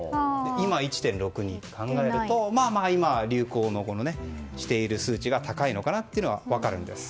今１．６２と考えると今は流行している数値が高いのかなというのは分かるんです。